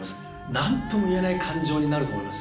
何ともいえない感情になると思います